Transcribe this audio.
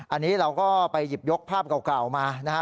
อันนี้เราก็ไปหยิบยกภาพเก่ามานะฮะ